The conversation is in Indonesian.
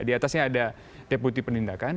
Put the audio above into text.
di atasnya ada deputi penindakan